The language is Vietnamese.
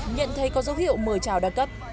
nhận thấy có dấu hiệu mời chào đa cấp